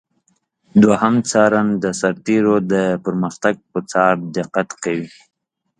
دوهم څارن د سرتیرو د پرمختګ پر څار دقت کوي.